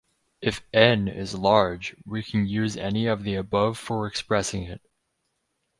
If "n" is large we can use any of the above for expressing it.